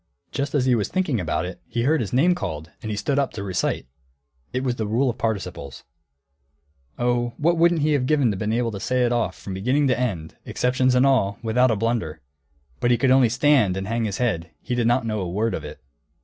Just as he was thinking about it, he heard his name called, and he stood up to recite. It was the rule of participles. Oh, what wouldn't he have given to be able to say it off from beginning to end, exceptions and all, without a blunder! But he could only stand and hang his head; he did not know a word of it.